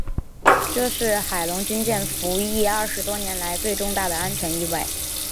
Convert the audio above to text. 这是海龙军舰服役二十多年来最重大的安全意外。